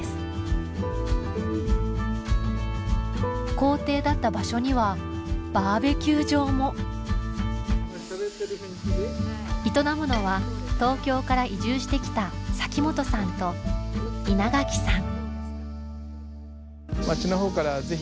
校庭だった場所にはバーベキュー場も営むのは東京から移住して来た嵜本さんと稲垣さん